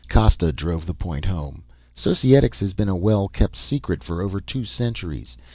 Costa drove the point home. "Societics has been a well kept secret for over two centuries.